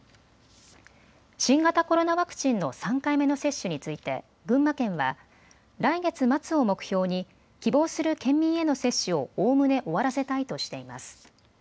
新型コロナワクチンの３回目の接種について群馬県は来月末を目標に希望する県民への接種をおおむね終わらせたいとしています。